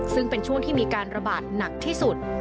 ซึ่งเป็นช่วงที่มีการระบาดหนักที่สุด